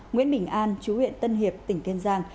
nguyễn bình an chú huyện tân hiệp tỉnh kiên giang